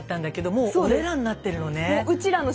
もう「おれら」になってるのね。